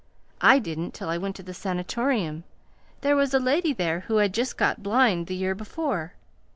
I didn't till I went to the Sanatorium. There was a lady there who had just got blind the year before.